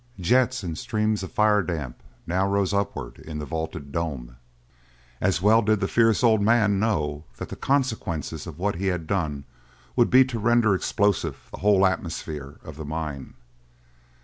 Jets and streams of the fire damp now rose upward in the vaulted dome; and well did that fierce old man know that the consequence of what he had done would be to render explosive the whole atmosphere of the mine.